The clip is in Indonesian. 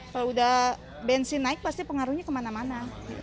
kalau udah bensin naik pasti pengaruhnya kemana mana